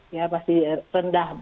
ya masih rendah